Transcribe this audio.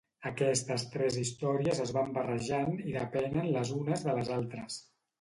Aquestes tres històries es van barrejant i depenen les unes de les altres.